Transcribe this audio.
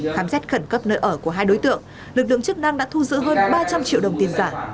khám xét khẩn cấp nơi ở của hai đối tượng lực lượng chức năng đã thu giữ hơn ba trăm linh triệu đồng tiền giả